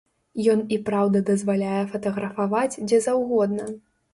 Ён і праўда дазваляе фатаграфаваць дзе заўгодна.